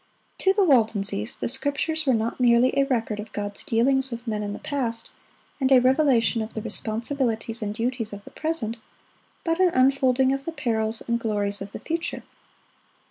To the Waldenses the Scriptures were not merely a record of God's dealings with men in the past, and a revelation of the responsibilities and duties of the present, but an unfolding of the perils and glories of the future.